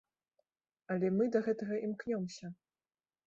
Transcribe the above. Але мы да гэтага імкнёмся!